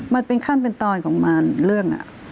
มันเป็นขั้นเป็นตอนของมันเรื่อง